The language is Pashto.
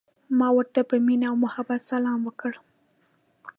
ما ورته په مینه او محبت سلام وکړ.